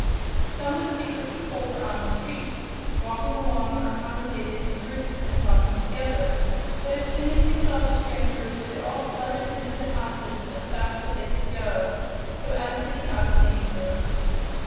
Some of the paper people were on the street, walking along or congregated in groups and talking together; but as soon as they saw the strangers they all fluttered into the houses as fast as they could go, so as to be out of danger.